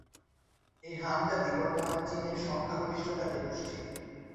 এই হান জাতি বর্তমান চীনের সংখ্যাগরিষ্ঠ জাতিগোষ্ঠী।